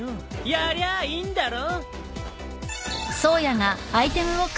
やりゃいいんだろ。